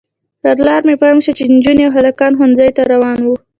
پر لاره مې پام شو چې نجونې او هلکان ښوونځیو ته روان وو.